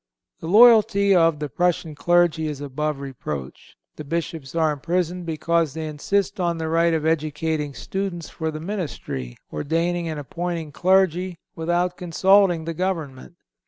The loyalty of the Prussian clergy is above reproach. The Bishops are imprisoned because they insist on the right of educating students for the ministry, ordaining and appointing clergy, without consulting the government.